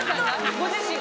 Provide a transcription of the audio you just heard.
ご自身が？